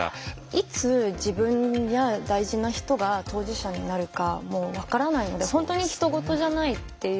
いつ自分や大事な人が当事者になるかも分からないので本当にひと事じゃないっていう。